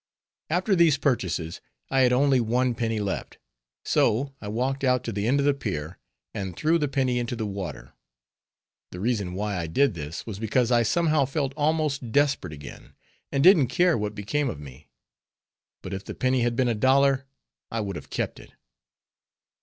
After these purchases, I had only one penny left, so I walked out to the end of the pier, and threw the penny into the water. The reason why I did this, was because I somehow felt almost desperate again, and didn't care what became of me. But if the penny had been a dollar, I would have kept it.